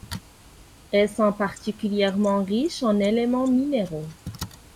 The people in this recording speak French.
Elles sont particulièrement riches en éléments minéraux.